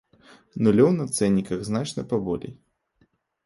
Нулёў на цэнніках значна паболее.